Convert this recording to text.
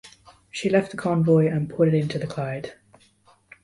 She left the convoy and put in to the Clyde.